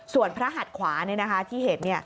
ส่วนพระหัดขวาที่เห็น